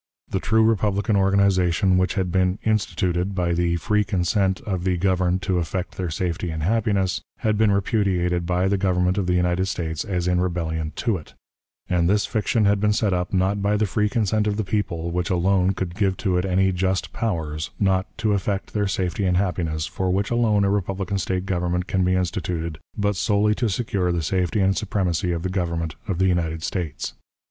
The true republican organization, which had been "instituted" by the free "consent of the governed to effect their safety and happiness," had been repudiated by the Government of the United States as in rebellion to it; and this fiction had been set up, not by the free consent of the people, which alone could give to it any "just powers," not "to effect their safety and happiness," for which alone a republican State government can be instituted, but solely to secure the safety and supremacy of the Government of the United States.